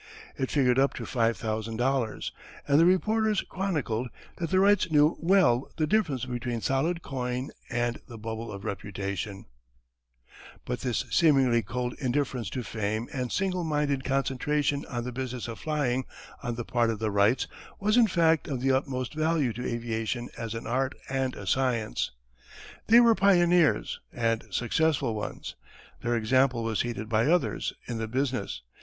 It figured up to five thousand dollars, and the reporters chronicled that the Wrights knew well the difference between solid coin and the bubble of reputation. [Illustration: Wright Glider.] But this seemingly cold indifference to fame and single minded concentration on the business of flying on the part of the Wrights was in fact of the utmost value to aviation as an art and a science. They were pioneers and successful ones. Their example was heeded by others in the business.